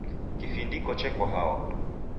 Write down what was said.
Kifindiko cheko hao?